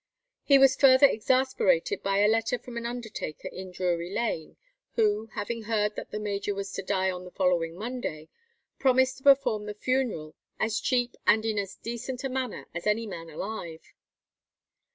He was further exasperated by a letter from an undertaker in Drury Lane, who, having heard that the major was to die on the following Monday, promised to perform the funeral "as cheap and in as decent a manner as any man alive."